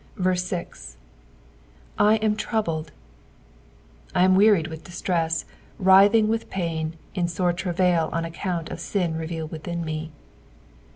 6. " I am troubled." I am wearied with distress, writhing with pain, in sore travail on account of sin revealed within nie.